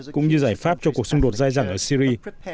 cũng như giải pháp cho cuộc xung đột dài dẳng ở syri